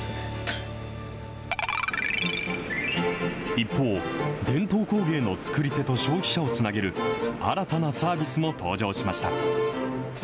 一方、伝統工芸の作り手と消費者をつなげる新たなサービスも登場しました。